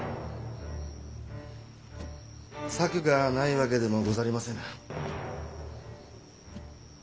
策がないわけでもござりませぬ。